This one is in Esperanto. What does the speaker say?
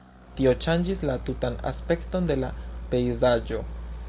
Tio ŝanĝis la tutan aspekton de la pejzaĝo.